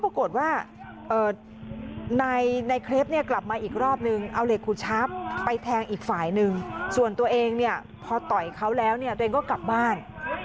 พอโปรโกทว่าในเคลพกลับมาอีกรอบนึงเอาเหรคคุชัพไปแทงอีกฝ่ายนึงส่วนตัวเองพอต่อยเขาแล้วตัวเองก็กลับบ้าน